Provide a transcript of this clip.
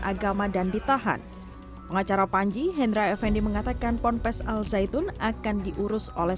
agama dan ditahan pengacara panji hendra effendi mengatakan ponpes al zaitun akan diurus oleh